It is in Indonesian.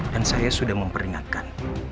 dan saya sudah memperingatkan